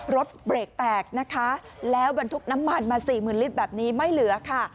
รถเบรกแตกนะคะแล้วบรรทุกน้ำมันมาสี่หมื่นลิตรแบบนี้ไม่เหลือค่ะ